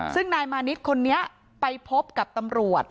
ซึ่งนายมานิดคนนี้ไปพบกับตำรวจ